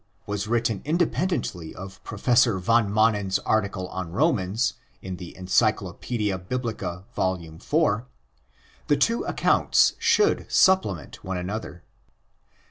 was written independently of Professor van Manen's article on " Romans" in the Ency clopadia Biblica, Vol. IV., the two accounts should supple ment one another.